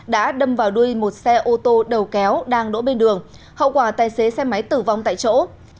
đã đâm vào đuôi một xe ô tô đầu kéo đang đỗ bên đường hậu quả tài xế xe máy tử vong tại chỗ